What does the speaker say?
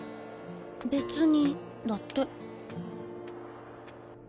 「別に」だって。